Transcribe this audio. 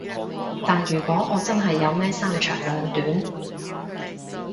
但如果我真係有咩三長兩短